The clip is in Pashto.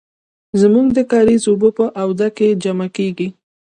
زمونږ د کاریز اوبه په آوده کې جمع کیږي.